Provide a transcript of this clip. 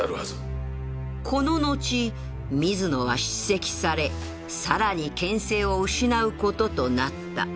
こののち水野は叱責されさらに権勢を失う事となった